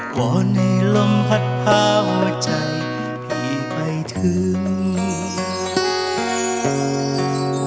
วันนี้ลมภัดหัวใจพี่ไปถึง